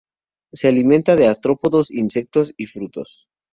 Se alimenta de artrópodos, insectos y frutos.